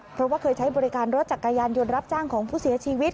เพราะว่าเคยใช้บริการรถจักรยานยนต์รับจ้างของผู้เสียชีวิต